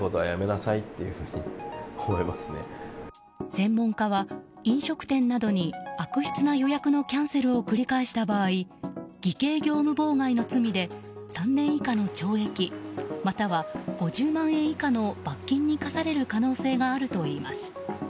専門家は飲食店などに悪質な予約のキャンセルを繰り返した場合偽計業務妨害の罪で３年以下の懲役または５０万円以下の罰金に科される可能性があるといいます。